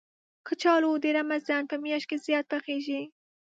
کچالو د رمضان په میاشت کې زیات پخېږي